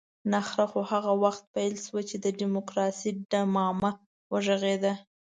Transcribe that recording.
نخره خو هغه وخت پيل شوه چې د ډيموکراسۍ ډمامه وغږېده.